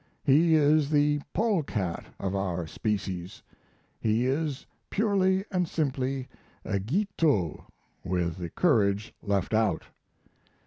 He is the polecat of our species.... He is purely and simply a Guiteau with the courage left out....